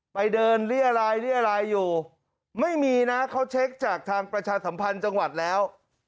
ไปเดินเรียรายเรียรายอยู่ไม่มีนะเขาเช็คจากทางประชาสัมพันธ์จังหวัดแล้ว